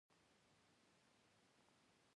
توپک د سولې مینه والو ته ماتم راوړي.